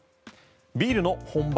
ビールの本場